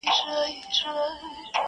پای لا هم خلاص پاته کيږي-